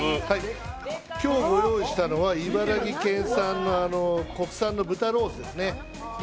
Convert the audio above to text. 今日ご用意したのは茨城県産国産の豚ロースですね。